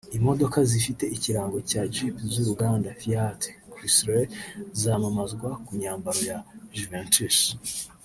Imodoka zifite ikirango cya Jeep z’uruganda Fiat Chrysler zamamazwa ku myambaro ya Juventus